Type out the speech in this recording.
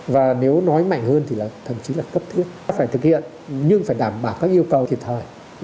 và nếu nói mạnh hơn thì là thậm chí là cấp thiết phải thực hiện nhưng phải đảm bảo các yêu cầu thiệt thời